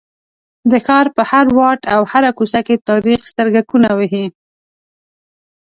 د ښار په هر واټ او هره کوڅه کې تاریخ سترګکونه وهي.